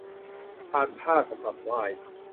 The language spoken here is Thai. พานผ้าสำหรับไหว้